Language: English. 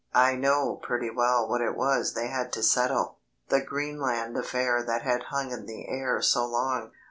I know pretty well what it was they had to settle the Greenland affair that had hung in the air so long.